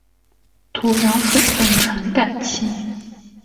土壤水分传感器。